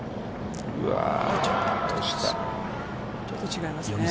ちょっと違いますね。